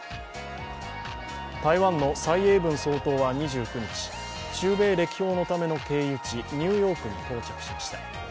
台湾の蔡英文総統は２９日中米歴訪のための経由地ニューヨークに到着しました。